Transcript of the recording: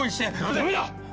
ダメだ！